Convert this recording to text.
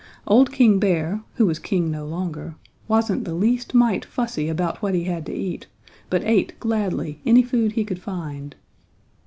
Old King Bear, who was king no longer, wasn't the least mite fussy about what he had to eat, but ate gladly any food he could find.